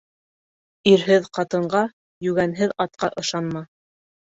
Ирһеҙ ҡатынға, йүгәнһеҙ атҡа ышанма.